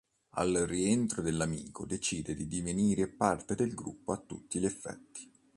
Al rientro dell'amico decide di divenire parte del gruppo a tutti gli effetti.